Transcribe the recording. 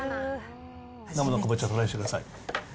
生のかぼちゃ、トライしてください。